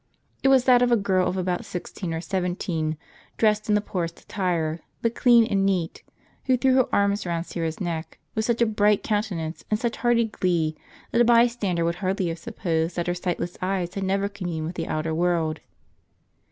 It was that of a girl of about sixteen or seventeen, dressed in the poorest attire, but clean and neat, who threw her arms round Syra's neck with such a bright countenance and such hearty glee, that a bystander would hardly have supposed that her sightless eyes had never communed with the outer world.